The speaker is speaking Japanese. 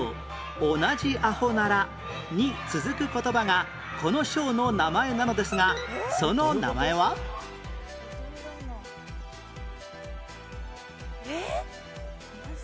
同じ阿呆なら」に続く言葉がこのショーの名前なのですがその名前は？えっ？